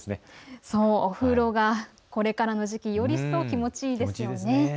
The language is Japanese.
お風呂がこれからの時期、より一層気持ちいいですよね。